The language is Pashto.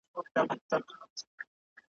اعلان یې کړی پر ټوله ښار دی `